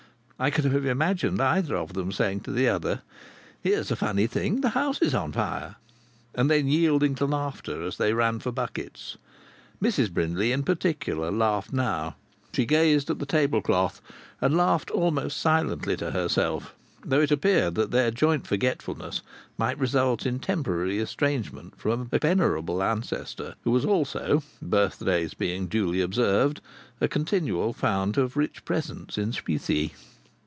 I could have imagined either of them saying to the other: "Here's a funny thing! The house is on fire!" And then yielding to laughter as they ran for buckets. Mrs Brindley, in particular, laughed now; she gazed at the table cloth and laughed almost silently to herself; though it appeared that their joint forgetfulness might result in temporary estrangement from a venerable ancestor who was also, birthdays being duly observed, a continual fount of rich presents in specie.